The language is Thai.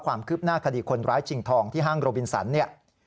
ความคืบหน้าคดีคนร้ายชิงทองที่ห้างโรบินสันเนี่ย